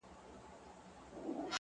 وه كلي ته زموږ راځي ملنگه ككرۍ.!